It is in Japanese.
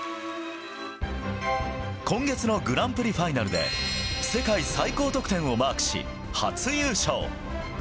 今月のグランプリファイナルで世界最高得点をマークし、初優勝。